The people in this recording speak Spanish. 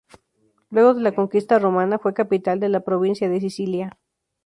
Luego de la conquista romana, fue capital de la provincia de Cilicia.